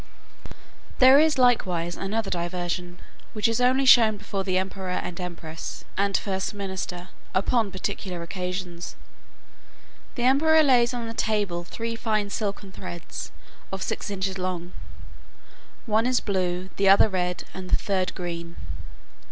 There is likewise another diversion, which is only shown before the emperor and empress, and first minister, upon particular occasions. The emperor lays on the table three fine silken threads of six inches long; one is blue, the other red, and the third green.